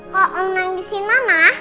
kalau om nangisin mama